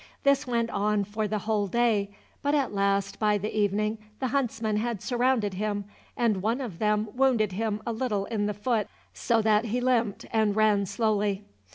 This went on for the whole day, but at last by the evening the huntsmen had surrounded him, and one of them wounded him a little in the foot, so that he limped and ran slowly.